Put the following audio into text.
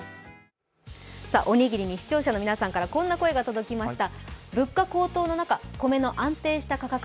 おにぎりに視聴者の皆さんからこんな声が届きました。